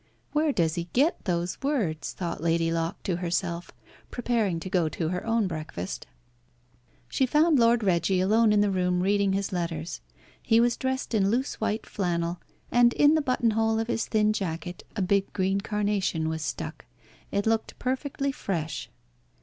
"Where does he get those words?" thought Lady Locke to herself, preparing to go to her own breakfast. She found Lord Reggie alone in the room reading his letters. He was dressed in loose white flannel, and in the buttonhole of his thin jacket a big green carnation was stuck. It looked perfectly fresh.